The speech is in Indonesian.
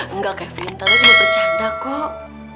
enggak kevin tante mau bercanda kok